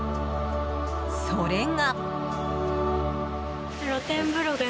それが。